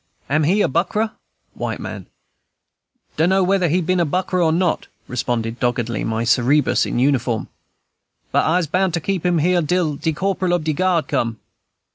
"Am he a buckra [white man]?" "Dunno whether he been a buckra or not," responded, doggedly, my Cerberus in uniform; "but I's bound to keep him here till de corporal ob de guard come."